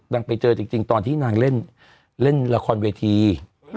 นางไปเจอจริงจริงตอนที่นางเล่นเล่นละครเวทีอืม